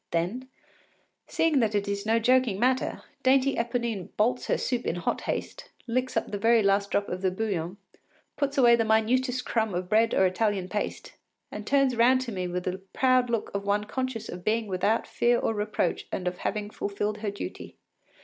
Then seeing that it is no joking matter, dainty Eponine bolts her soup in hot haste, licks up the very last drop of the bouillon, puts away the minutest crumb of bread or Italian paste, and turns round to me with the proud look of one conscious of being without fear or reproach and of having fulfilled her duty.